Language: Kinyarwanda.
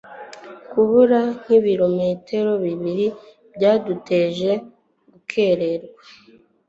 Kubura nkibirometero bibiri byaduteje gukererwa